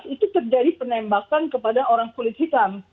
itu terjadi penembakan kepada orang kulit hitam